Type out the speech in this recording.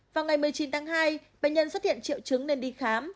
vào ngày một mươi chín tháng hai bệnh nhân xuất hiện triệu chứng nên đi khám